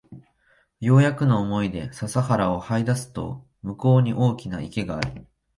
ようやくの思いで笹原を這い出すと向こうに大きな池がある